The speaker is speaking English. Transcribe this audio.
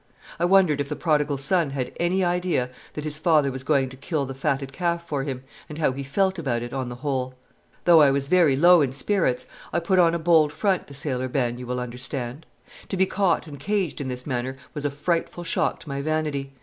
I wondered if the Prodigal Son had any idea that his father was going to kill the fatted calf for him, and how he felt about it, on the whole. Though I was very low in spirits, I put on a bold front to Sailor Ben, you will understand. To be caught and caged in this manner was a frightful shock to my vanity.